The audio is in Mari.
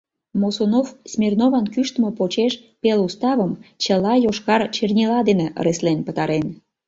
Мосунов Смирнован кӱштымӧ почеш пел уставым чыла йошкар чернила дене ыреслен пытарен.